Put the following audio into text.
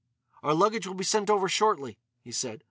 "Our luggage will be sent over shortly," he said.